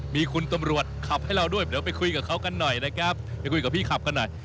มีคุณตำรวจขับให้เราด้วยเดี๋ยวไปคุยกับเขากันหน่อยนะครับไปคุยกับพี่ขับกันหน่อย